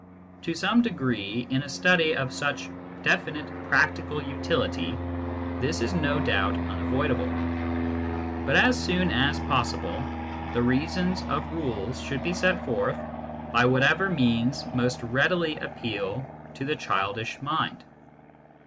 To some degree, in a study of such definite practical utility, this is no doubt unavoid able ; but as soon as possible, the reasons of rules should be set forth by whatever means most readily appeal to the childish mind.